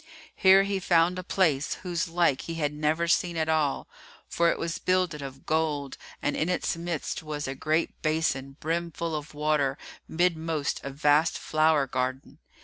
Here he found a place, whose like he had never seen at all, for it was builded of gold and in its midst was a great basin brimfull of water midmost a vast flower garden.